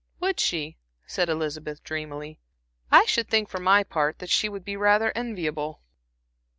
"Would she?" said Elizabeth, dreamily. "I should think, for my part, that she would be rather enviable."